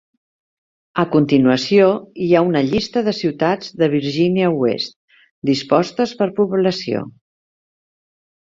A continuació hi ha una llista de ciutats de Virgínia Oest, dispostes per població.